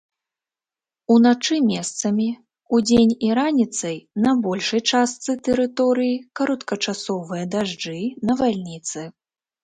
Уначы месцамі, удзень і раніцай на большай частцы тэрыторыі кароткачасовыя дажджы, навальніцы.